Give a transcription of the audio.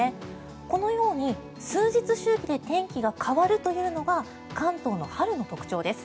このように数日周期で天気が変わるというのが関東の春の特徴です。